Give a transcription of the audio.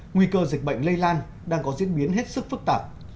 nguy cơ dịch bệnh lây lan đang có diễn biến hết sức phức tạp